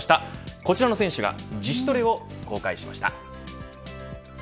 こちらの選手が自主トレを公開しました。